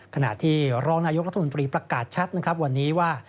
ขณะที่รองนายกรัฐมนตรีประกาศชัดนะครับวันนี้ว่า